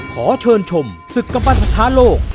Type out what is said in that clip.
ขอเชิญชมศึกกำปั้นสถานโลก